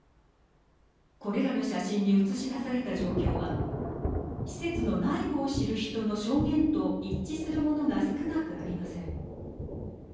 これらの写真に写し出された状況は施設の内部を知る人の証言と一致するものが少なくありません。